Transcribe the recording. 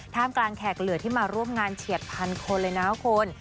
กลางแขกเหลือที่มาร่วมงานเฉียดพันคนเลยนะคุณ